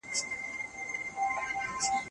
چاته حال ویلی نه شم